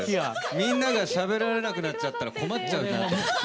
みんながしゃべられなくなっちゃったら困っちゃうなと思って。